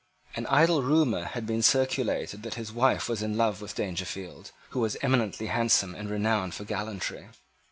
An idle rumour had been circulated that his wife was in love with Dangerfield, who was eminently handsome and renowned for gallantry.